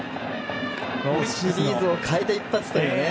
シリーズを変えた一発というね。